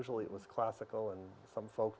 saya bisa memikirkan beberapa